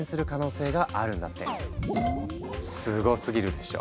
すごすぎるでしょ。